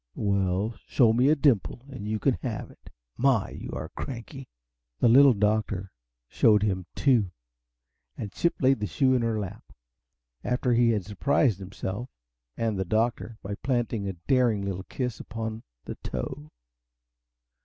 "Well, show me a dimple and you can have it. My, you are cranky!" The Little Doctor showed him two, and Chip laid the shoe in her lap after he had surprised himself, and the doctor, by planting a daring little kiss upon the toe.